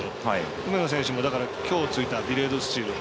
梅野選手も意表をついたディレードスチール。